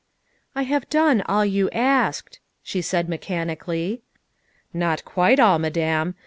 " I have done all you asked," she said mechanically. " Not quite all, Madame.